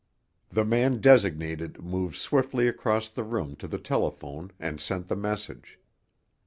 The man designated moved swiftly across the room to the telephone and sent the message.